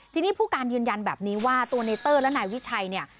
ทีนี้ผู้การยืนยันแบบนี้ว่าตัวในเตอร์และนายวิชัยเนี่ย